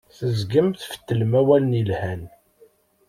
Tezgam tfettlem awalen yelhan.